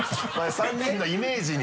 ３人のイメージに。